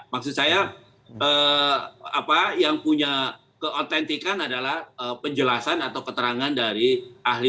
maksud saya yang punya keautentikan adalah penjelasan atau keterangan dari ahli